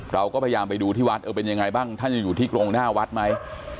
เราก็พยายามไปดูที่วัดเออเป็นยังไงบ้างท่านยังอยู่ที่กรงหน้าวัดไหม